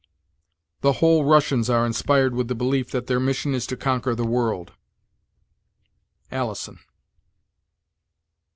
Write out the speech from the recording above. "The whole Russians are inspired with the belief that their mission is to conquer the world." Alison.